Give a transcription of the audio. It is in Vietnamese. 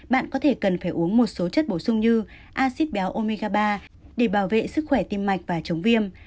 bạn có thể cần phải uống một số chất bổ sung như acid béo omega ba để bảo vệ sức khỏe tiêm mạch và chống viêm